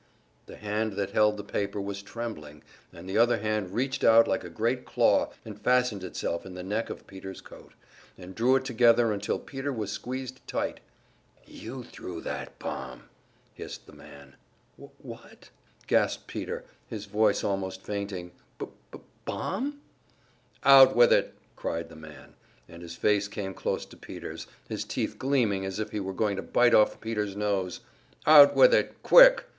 The hand that held the paper was trembling, and the other hand reached out like a great claw, and fastened itself in the neck of Peter's coat, and drew it together until Peter was squeezed tight. "You threw that bomb!" hissed the man. "Wh what?" gasped Peter, his voice almost fainting. "B b bomb?" "Out with it!" cried the man, and his face came close to Peter's, his teeth gleaming as if he were going to bite off Peter's nose. "Out with it! Quick!